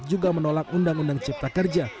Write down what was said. juga menolak undang undang cipta kerja